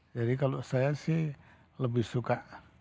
jadi kalau saya sih lebih suka